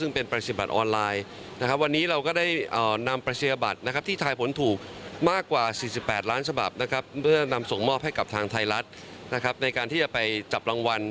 ในการที่จะไปจับรางวัลนะครับ